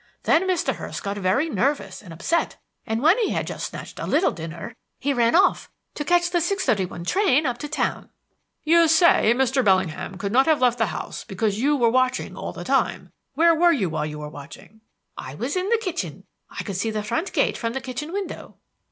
Then Mr. Hurst got very nervous and upset, and when he had just snatched a little dinner he ran off to catch the six thirty one train up to town." "You say that Mr. Bellingham could not have left the house because you were watching all the time. Where were you while you were watching?" "I was in the kitchen. I could see the front gate from the kitchen window."